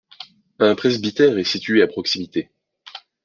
Un presbytère est situé à proximité.